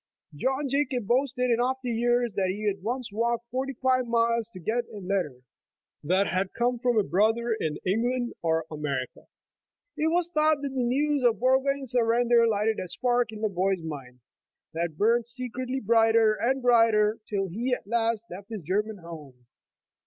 John 21 The Original John Jacob Astor Jacob boasted in after years, that he had once walked forty five miles to get a letter that had come from a brother in England or America. It was thought that the news of Burgoyne's surrender lighted a spark in the boy's mind, that burned secretly brighter and brighter, till he at last left his German home.